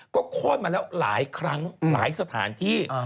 ก็โค้นมาแล้วหลายครั้งหลายสถานที่